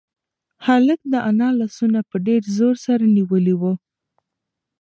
هلک د انا لاسونه په ډېر زور سره نیولي وو.